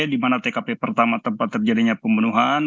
di mana tkp pertama tempat terjadinya pembunuhan